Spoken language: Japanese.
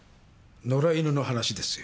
野良犬の話ですよ。